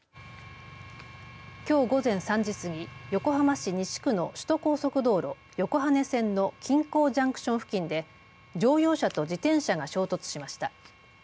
きょう午前３時過ぎ横浜市西区の首都高速道路横羽線の金港ジャンクション付近で乗用車と自転車が衝突しました。